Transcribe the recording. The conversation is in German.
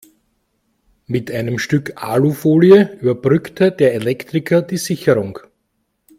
Mit einem Stück Alufolie überbrückte der Elektriker die Sicherung.